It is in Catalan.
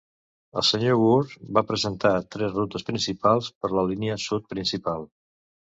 El Sr. Woore va presentar tres rutes principals per la Línia Sud Principal.